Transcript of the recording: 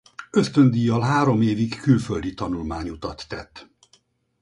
Ösztöndíjjal három évig külföldi tanulmányutat tett.